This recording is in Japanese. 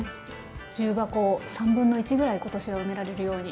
重箱1/3ぐらい今年は埋められるように。